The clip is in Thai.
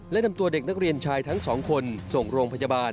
และนำตัวเด็กนักเรียนชายทั้งสองคนส่งโรงพยาบาล